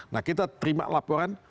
nah kita terima laporan